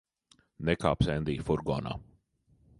Nekāpsi Endija furgonā.